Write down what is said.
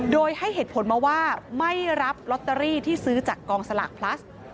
โดยให้เหตุผลมาว่าไม่รับลอตเตอรี่ที่ซื้อจากกองสลากพลัส